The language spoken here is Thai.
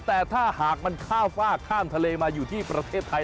แต่ถ้าหากมันข้ามฝ้าข้ามทะเลมาอยู่ที่ประเทศไทย